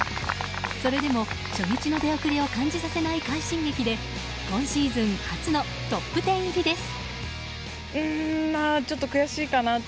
それでも初日の出遅れを感じさせない快進撃で今シーズン初のトップ１０入りです。